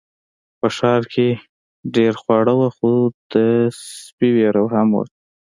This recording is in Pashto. په ښار کې ډیر خواړه وو خو د سپي ویره هم وه.